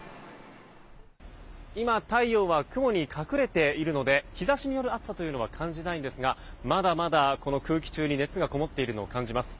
今、太陽は雲に隠れているので日差しによる暑さというのは感じないんですがまだまだこの空気中に熱がこもっているのを感じます。